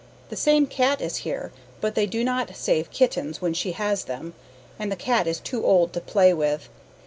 The same cat is here but they do not save kittens when she has them, and the cat is too old to play with.